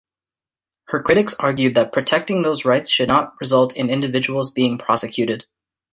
Her critics argued that protecting those rights should not result in individuals being prosecuted.